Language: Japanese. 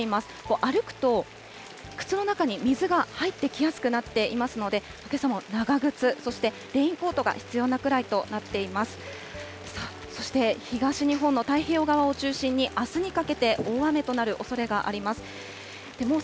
歩くと靴の中に水が入ってきやすくなっていますので、けさも長靴、そしてレインコートが必要なくらいとなっています。